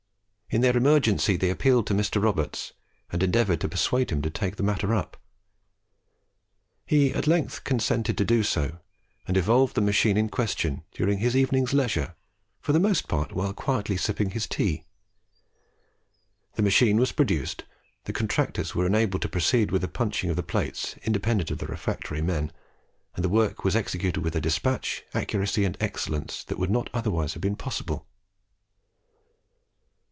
In their emergency they appealed to Mr. Roberts, and endeavoured to persuade him to take the matter up. He at length consented to do so, and evolved the machine in question during his evening's leisure for the most part while quietly sipping his tea. The machine was produced, the contractors were enabled to proceed with the punching of the plates independent of the refractory men, and the work was executed with a despatch, accuracy, and excellence that would not otherwise have been possible.